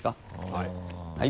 はい。